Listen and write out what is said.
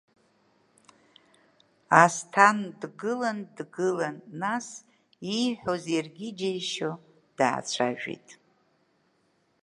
Асҭан дгылан, дгылан, нас, ииҳәоз иаргьы иџьеишьо, даацәажәеит.